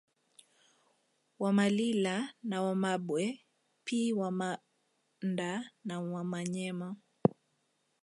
Wamalila na Wamambwe pi Wamanda na Wamanyema